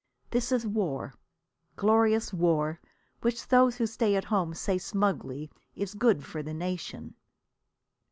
This is war, glorious war, which those who stay at home say smugly is good for a nation.